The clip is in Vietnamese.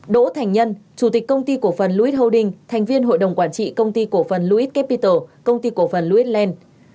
đỗ thành nhân chủ tịch công ty cổ phần lewis holding thành viên hội đồng quản trị công ty cổ phần lewis capital công ty cổ phần lewis land